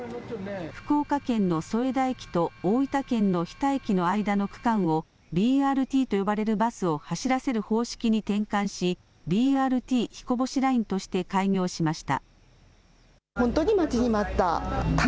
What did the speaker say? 福岡県の添田駅と大分県の日田駅の間の区間をＢＲＴと呼ばれるバスを走らせる方式に転換しＢＲＴひこぼしラインとして開業しました。